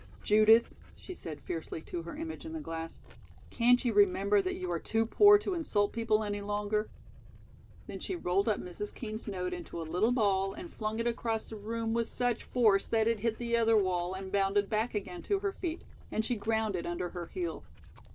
"Judith," she said fiercely to her image in the glass, "can't you remember that you are too poor to insult people any longer?" Then she rolled up Mrs. Kean's note into a little ball and flung it across the room with such force that it hit the other wall and bounded back again to her feet, and she ground it under her heel.